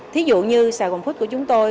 thí dụ như sg food của chúng tôi